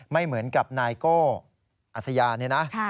ไม่เหมือนกับนายโก้อัศยาเนี่ยนะ